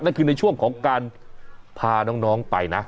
นั่นคือในช่วงของการพาน้องไปนะ